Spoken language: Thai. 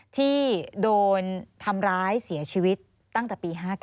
ที่โดนทำร้ายเสียชีวิตตั้งแต่ปี๕๙